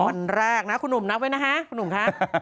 วันแรกคุณหนุ่มนับไว้นะคะ